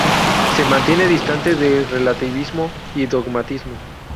Se mantiene distante de relativismo y dogmatismo.